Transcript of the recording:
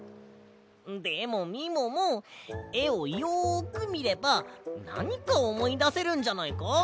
でもみももえをよくみればなにかおもいだせるんじゃないか？